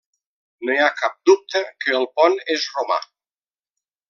No hi ha cap dubte que el pont és romà.